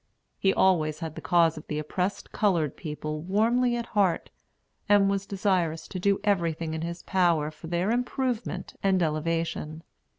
He always had the cause of the oppressed colored people warmly at heart, and was desirous to do everything in his power for their improvement and elevation.